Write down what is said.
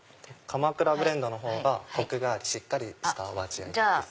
鎌倉ブレンドのほうがコクがありしっかりしたお味です。